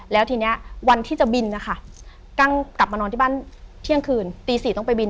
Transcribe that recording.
แล้วทีนี้วันที่จะบินนะคะกั้งกลับมานอนที่บ้านเที่ยงคืนตี๔ต้องไปบิน